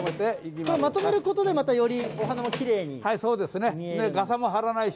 これ、まとめることでよりお花もきれいに見える。